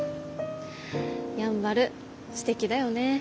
やんばるすてきだよね。